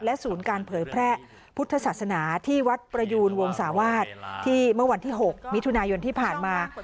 ศูนย์การเผยแพร่พุทธศาสนาที่วัดประยูนวงศาวาสที่เมื่อวันที่๖มิถุนายนที่ผ่านมา